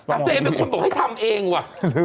มักเรียกเป็นคนตกให้ทำเองวะ